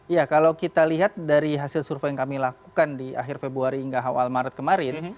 ya kalau kita lihat dari hasil survei yang kami lakukan di akhir februari hingga awal maret kemarin